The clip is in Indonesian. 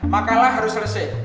makalah harus selesai